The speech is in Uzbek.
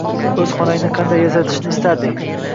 O‘z xonangni qanday yasatishni istarding?